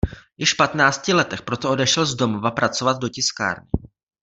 Již v patnácti letech proto odešel z domova pracovat do tiskárny.